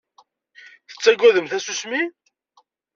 Tettaggadem tasusmi?